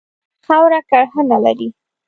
خاوره کرهڼه لري.